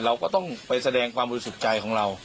เราก็ต้องไปแสดงความรู้สึกใจของเรา